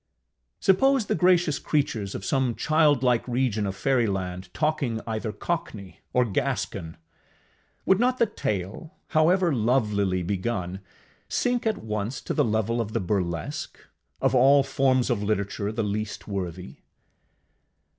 Suppose the gracious creatures of some childlike region of Fairyland talking either cockney or Gascon! Would not the tale, however lovelily begun, sink at once to the level of the Burlesque of all forms of literature the least worthy?